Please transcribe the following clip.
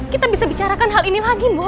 kita bisa bicarakan hal ini lagi bu